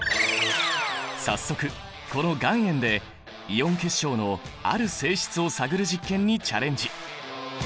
早速この岩塩でイオン結晶のある性質を探る実験にチャレンジ！